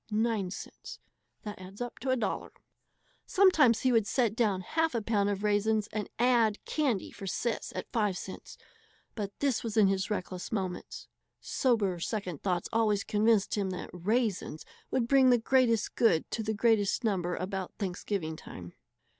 09 $1.00 Sometimes he would set down half a pound of "raisens" and add "candy for Sis, .05," but this was in his reckless moments. Sober second thought always convinced him that "raisens" would bring the greatest good to the greatest number about Thanksgiving time.